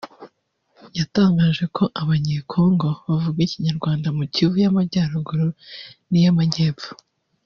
yatangaje ko Abanyekongo bavuga ikinyarwanda mu Kivu y’Amajyarugu n’iy’Amajyepfo